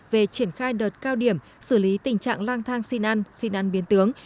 về triển khai đợt cao điểm xử lý tình trạng lang thang xin ăn xin ăn biến tướng